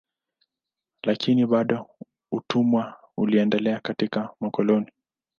Lakini bado utumwa uliendelea katika makoloni.